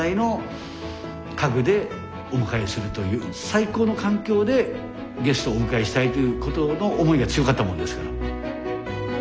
最高の環境でゲストをお迎えしたいということの思いが強かったものですから。